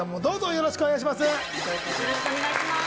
よろしくお願いします。